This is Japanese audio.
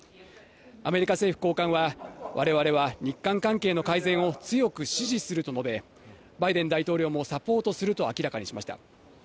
アメリカ政府高官は、われわれは、日韓関係の改善を強く支持すると述べ、バイデン大統領もサポートすると明らかにしました。